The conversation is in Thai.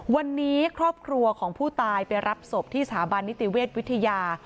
วันนี้ครอบครัวของผู้ตายไปรับศพที่สถาบันนิติเวชวิทยา